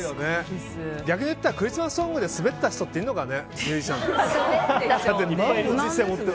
逆にいったらクリスマスソングでスベった人っているのかね